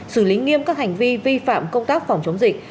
xử lý nghiêm các hành vi vi phạm công tác phòng chống dịch